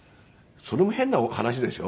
それも変な話でしょ。